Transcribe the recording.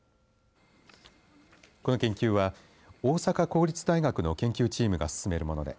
この研究は大阪公立大学の研究チームが進めるもので